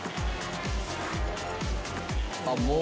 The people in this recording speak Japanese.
あっもう。